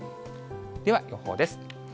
では、予報です。